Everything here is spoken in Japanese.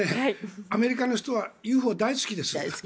アメリカの人はＵＦＯ大好きです。